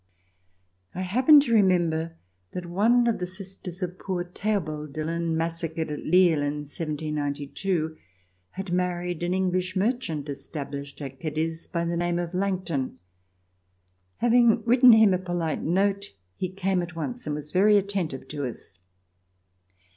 I happened to remember that one of the sisters of poor Theobald Dillon, massacred at Lille in 1792, had married an English merchant established at Cadiz, by the name of Langton. Having written him a polite note, he came at once and was very attentive to us.